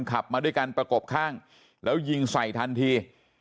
ขับมาด้วยกันประกบข้างแล้วยิงใส่ทันที